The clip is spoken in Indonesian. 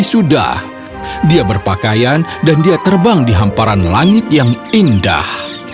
sudah dia berpakaian dan dia terbang di hamparan langit yang indah